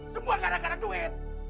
semua gak ada gak ada duit